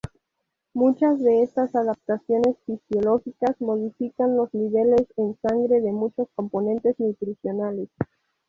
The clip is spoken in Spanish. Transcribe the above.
Muchas de estas adaptaciones fisiológicas modifican los niveles en sangre de muchos componentes nutricionales.